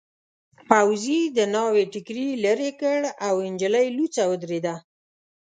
پوځي د ناوې ټکري لیرې کړ او نجلۍ لوڅه ودرېده.